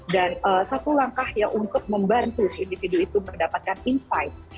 dan satu langkah yang untuk membantu si individu itu mendapatkan insight